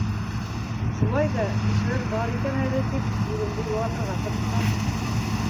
Шулай ҙа, кешеләр бар икән әле тип, үҙемде йыуатырға тырышам.